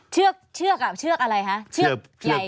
เชือกอะเชือกอะไรคะ